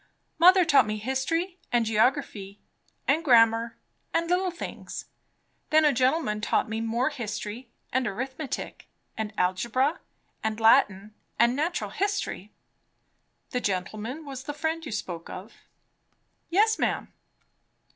"Mother taught me history, and geography, and grammar, and little things. Then a gentleman taught me more history, and arithmetic, and algebra, and Latin, and natural history " "The gentleman was the friend you spoke of?" "Yes, ma'am."